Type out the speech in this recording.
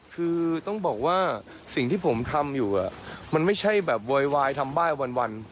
คือต้องบอกว่าสิ่งที่ผมทำอยู่มันไม่ใช่แบบโวยวายทำไหว้วัน